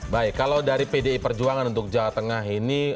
baik kalau dari pdi perjuangan untuk jawa tengah ini